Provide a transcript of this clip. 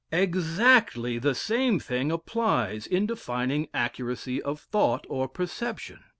Exactly the same thing applies in defining accuracy of thought or perception.